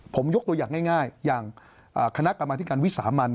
ผมยกตัวอย่างง่ายอย่างคณะกรรมธิการวิสามัน